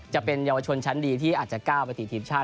จะเป็นเยาวชนชั้นดีที่อาจจะก้าวไปติดทีมชาติ